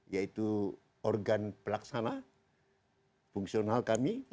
yaitu organ pelaksana fungsional kami